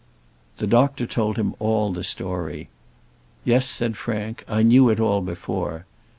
The doctor told him all the story. "Yes," said Frank, "I knew it all before.